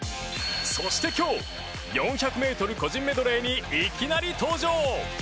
そして今日４００ｍ個人メドレーにいきなり登場。